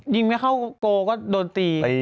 ยิงไม่เข้าโกก็โดนตี